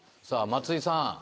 さあ松井さん。